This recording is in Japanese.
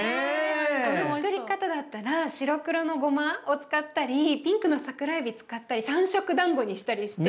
あのつくり方だったら白黒のごまを使ったりピンクのサクラエビ使ったり三色だんごにしたりして。